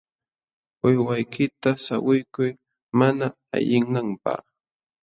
Uywaykita sawaykuy mana ayqinanpaq.